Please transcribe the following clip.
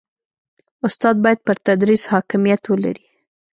استاد باید پر تدریس حاکمیت ولري.